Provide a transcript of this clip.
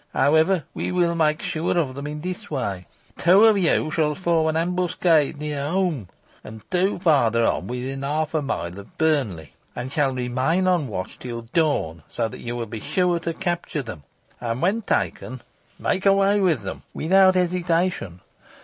However, we will make sure of them in this way. Two of you shall form an ambuscade near Holme and two further on within half a mile of Burnley, and shall remain on the watch till dawn, so that you will be sure to capture them, and when taken, make away with them without hesitation.